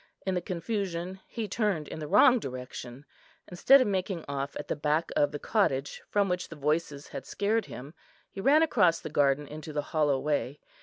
In the confusion he turned in the wrong direction; instead of making off at the back of the cottage from which the voices had scared him, he ran across the garden into the hollow way.